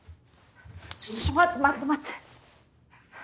ちょっ待って待って待って。